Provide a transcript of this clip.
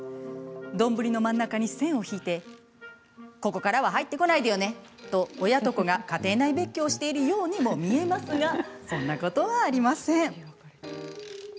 丼の真ん中に線を引いてここからは入ってこないでよねと親と子が家庭内別居をしているようにも見えますがそんなことはありません。